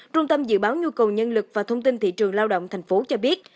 trung tâm dự báo nhu cầu nhân lực và thông tin thị trường lao động thành phố cho biết